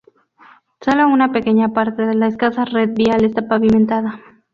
Sólo una pequeña parte de la escasa red vial está pavimentada.